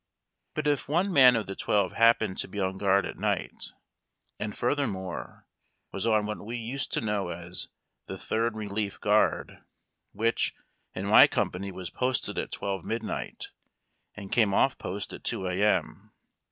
But if one man of the twelve happened to be on guard at night, and, further more, was on what we used to know as the Third Relief guard, which in my company was posted at 12, midnight, and came off post at 2 a.m.